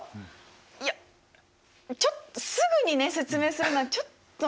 いやちょっとすぐにね説明するのはちょっと。